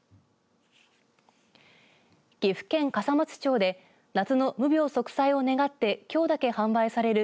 岐阜県笠松町で夏の無病息災を願ってきょうだけ販売される